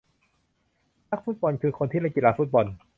นักฟุตบอลคือคนที่เล่นกีฬาฟุตบอล